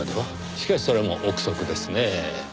しかしそれも臆測ですねぇ。